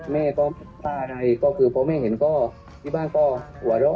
แม่ก็ปล้าใดก็คือเพราะแม่เห็นก็ที่บ้านก็หัวรก